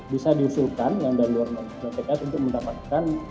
bisa diusulkan yang dari luar pks untuk mendapatkan